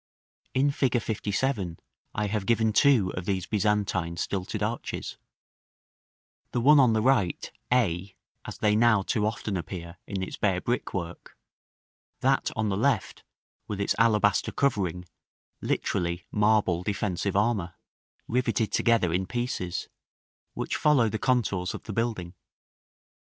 [Illustration: Fig. LVII.] § XII. In Fig. LVII. I have given two of these Byzantine stilted arches: the one on the right, a, as they now too often appear, in its bare brickwork; that on the left, with its alabaster covering, literally marble defensive armor, riveted together in pieces, which follow the contours of the building.